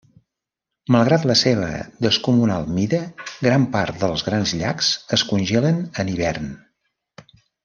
Malgrat la seva descomunal mida, gran part dels Grans Llacs es congelen en Hivern.